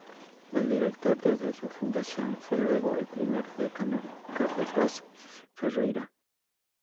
El director, desde su fundación, fue luego el primer decano, Carlos Vaz Ferreira.